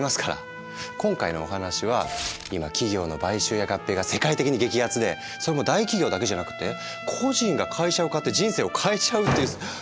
今回のお話は今企業の買収や合併が世界的に激アツでそれも大企業だけじゃなくて個人が会社を買って人生を変えちゃうっていう。